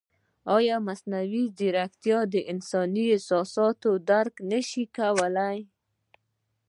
ایا مصنوعي ځیرکتیا د انساني احساساتو درک نه شي کولی؟